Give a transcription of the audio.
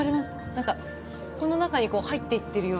何かこの中にこう入っていってるような。